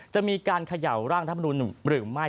จะมีการเขย่าร่างธรรมนุนหรือไม่